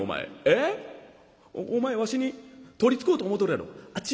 ええ？お前わしに取りつこうと思うとるやろ。